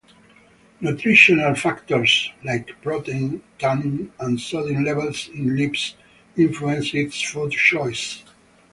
Nutritional factors like protein, tannins, and sodium levels in leaves influence its food choices.